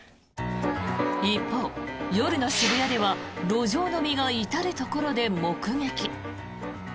一方、夜の渋谷では路上飲みが至るところで目撃。